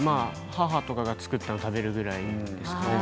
母とかが作ったのを食べるくらいですね。